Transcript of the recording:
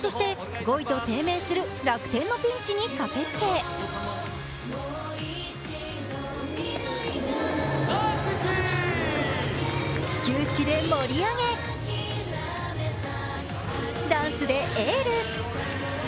そして５位と低迷する楽天のピンチに駆けつけ始球式で盛り上げ、ダンスでエール。